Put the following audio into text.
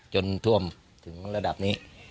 จนท่วมถึงระดับนี้